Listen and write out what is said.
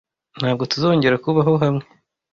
ntabwo tuzongera kubaho hamwe